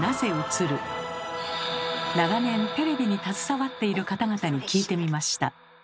長年テレビに携わっている方々に聞いてみました。